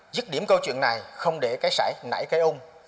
dứt điểm câu chuyện này không để cái xảy nảy cái ung